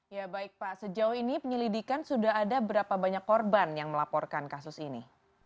ya baik pak sejauh ini penyelidikan sudah ada berapa banyak korban yang melaporkan kasus ini